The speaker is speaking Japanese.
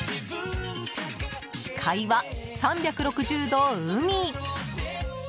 視界は３６０度、海！